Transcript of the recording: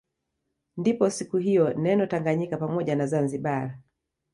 Ndipo siku hiyo neno Tanaganyika pamoja na Zanzibar